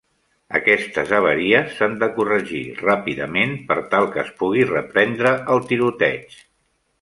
Aquestes avaries s'han de corregir ràpidament per tal que es pugui reprendre el tiroteig.